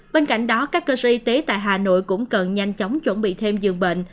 bên cạnh đó các cơ sở y tế tại hà nội cũng cần nhanh chóng chuẩn bị thêm giường bệnh